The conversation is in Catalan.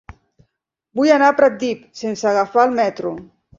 Vull anar a Pratdip sense agafar el metro.